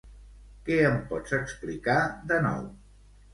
Què em pots explicar de nou?